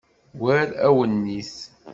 War awennit.